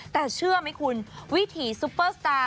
แต่เชื่อไหมคุณวิถีซุปเปอร์สตาร์